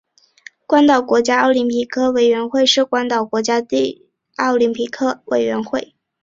关岛国家奥林匹克委员会是关岛的国家奥林匹克委员会。